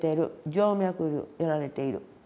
静脈瘤やられている。